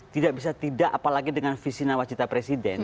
tidak bisa tidak apalagi dengan visi nawas cita presiden